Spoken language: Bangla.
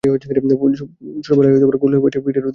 ছোটবেলায় গোল হয়ে বসে পিঠে রোদ ঠেকিয়ে তারা যেতেন পৌষের পিঠা।